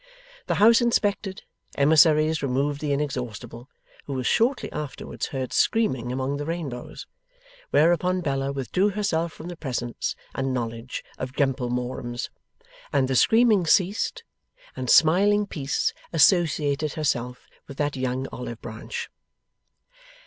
The house inspected, emissaries removed the Inexhaustible, who was shortly afterwards heard screaming among the rainbows; whereupon Bella withdrew herself from the presence and knowledge of gemplemorums, and the screaming ceased, and smiling Peace associated herself with that young olive branch.